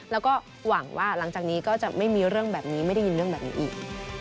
แล้วก็หวังว่าหลังจากนี้ก็จะไม่มีเรื่องแบบนี้ไม่ได้ยินเรื่องแบบนี้อีก